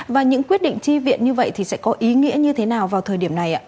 và những quyết định tri viện như vậy thì sẽ có ý nghĩa như thế nào vào thời điểm này ạ